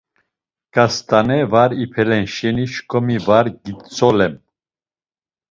Ǩast̆ane var ipelen şeni şǩomi var gitzolem.